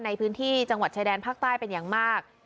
ในพื้นที่จังหวัดชายแดนภาคใต้เป็นอย่างมาก